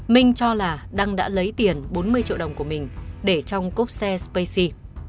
minh cho là đăng đã lấy tiền bốn mươi triệu đồng của mình để trong cốp xe spacey